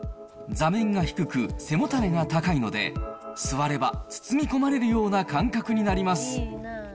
座面が低く、背もたれが高いので、座れば包み込まれるような感覚になります。